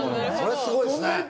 それすごいですね。